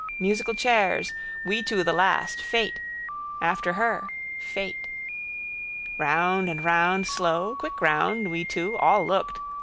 Musical chairs. We two the last. Fate. After her. Fate. Round and round slow. Quick round. We two. All looked.